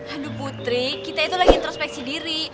aduh putri kita itu lagi introspeksi diri